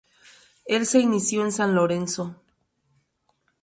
El se inició en San Lorenzo.